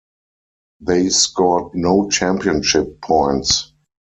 They scored no championship points.